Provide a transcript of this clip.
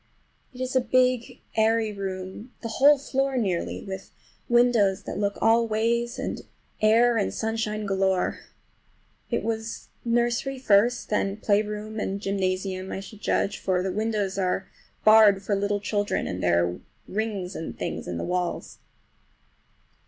It is a big, airy room, the whole floor nearly, with windows that look all ways, and air and sunshine galore. It was nursery first and then playground and gymnasium, I should judge; for the windows are barred for little children, and there are rings and things in the walls.